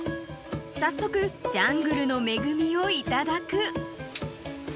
［早速ジャングルの恵みをいただく］